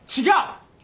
違う！